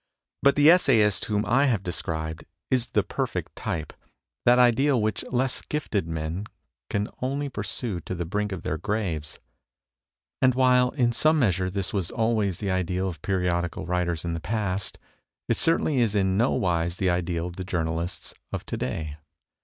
But the essayist whom I have described is the perfect type that ideal which less gifted men can only THE DECAY OF THE ESSAY 17 pursue to the brink of their graves ; and while in some measure this was always the ideal of periodical writers in the past, it certainly is in no wise the ideal of the journalists of to day.